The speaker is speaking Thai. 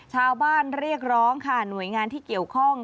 ชาวบ้านเรียกร้องค่ะหน่วยงานที่เกี่ยวข้อง